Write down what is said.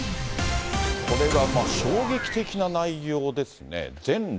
これが衝撃的な内容ですね。